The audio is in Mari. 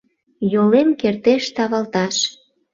Йолем кертеш тавалташ.